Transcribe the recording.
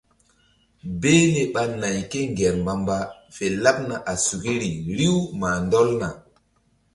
Behle ɓa nay ké ŋger mbamba fe laɓna a sukiri riw mah ndɔlna.